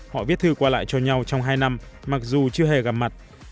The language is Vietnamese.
họ viết thư qua lại cho nhau trong hai năm mặc dù chưa hề gặp mặt